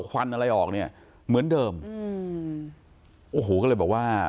ควันอะไรออกเนี่ยเหมือนเดิมอืมโอ้โหก็เลยบอกว่า